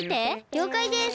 りょうかいです。